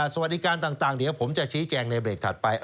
สวัสดีการต่างเดี๋ยวผมจะชี้แจงในเบรกถัดไป